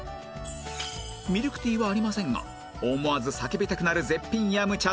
ミルクティーはありませんが思わず叫びたくなる絶品飲茶